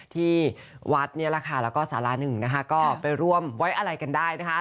ที่วัดนี่แหละค่ะแล้วก็สาระหนึ่งนะคะก็ไปร่วมไว้อะไรกันได้นะคะ